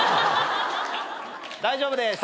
大丈夫です。